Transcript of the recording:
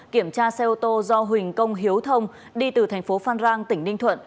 kiểm tra xe ô tô do huỳnh công hiếu thông đi từ thành phố phan rang tỉnh ninh thuận